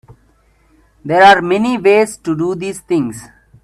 There are many ways to do these things.